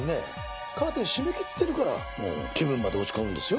カーテン閉めきってるから気分まで落ち込むんですよ。